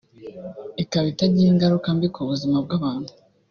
ikaba itagira ingaruka mbi ku buzima bw’abantu